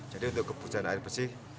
jadi untuk kebutuhan air bersih